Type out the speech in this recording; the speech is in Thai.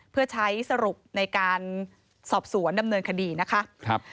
เพื่อใช้สรุปในการสอบสวนดำเนินคดีนะคะ